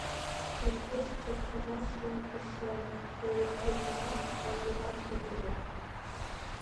— Кызытеш черкыжат шогыжо, теве тиде «караш» манмыжат шогыжо.